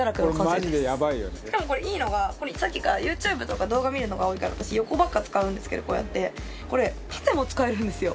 しかもこれいいのがさっきからＹｏｕＴｕｂｅとか動画見るのが多いから私横ばっか使うんですけどこうやってこれ縦も使えるんですよ！